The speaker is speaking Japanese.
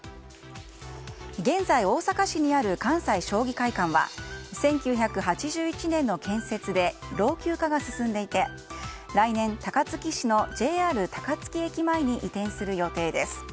現在、大阪市にある関西将棋会館は１９８１年の建設で老朽化が進んでいて来年、高槻市のＪＲ高槻駅前に移転する予定です。